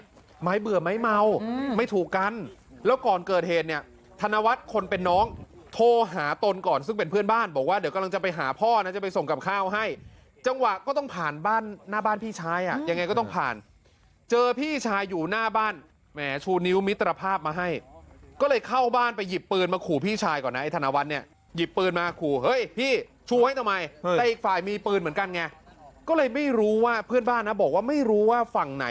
สั่งเนี่ยไม้เบื่อไม้เมาไม่ถูกกันแล้วก่อนเกิดเหตุเนี่ยธนวัฒน์คนเป็นน้องโทรหาตนก่อนซึ่งเป็นเพื่อนบ้านบอกว่าเดี๋ยวกำลังจะไปหาพ่อนะจะไปส่งกลับข้าวให้จังหวะก็ต้องผ่านบ้านหน้าบ้านพี่ชายอ่ะยังไงก็ต้องผ่านเจอพี่ชายอยู่หน้าบ้านแหมชูนิ้วมิตรภาพมาให้ก็เลยเข้าบ้านไปหยิบปืนมาขู่พี่ชายก่อนนะ